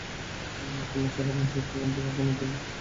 খুলনার শেখ আবু নাসের স্টেডিয়ামটা এখনো দুর্গই হয়ে আছে বাংলাদেশের জন্য।